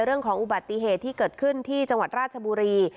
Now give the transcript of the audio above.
เรื่องของอุบัติเหตุที่เกิดขึ้นที่จังหวัดราชบุรี